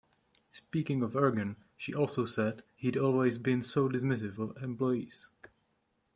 Speaking of Ergen, she also said, He'd always been so dismissive of employees.